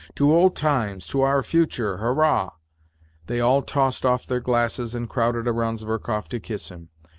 "JTo old times, to our future, hurrah !" They all tossed off their glasses, and crowded round Zverkov to kiss him.